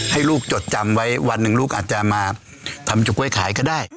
ให้ลูกจดจำไว้วันหนึ่งลูกอาจจะมาทำเฉาก๊วยขายก็ได้